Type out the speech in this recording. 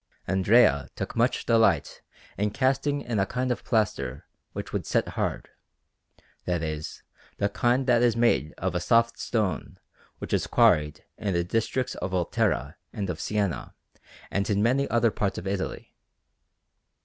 Andrea took much delight in casting in a kind of plaster which would set hard that is, the kind that is made of a soft stone which is quarried in the districts of Volterra and of Siena and in many other parts of Italy.